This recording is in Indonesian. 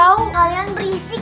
orang untuk mu yang berisik